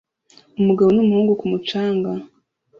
Umugabo n'umuhungu ku mucanga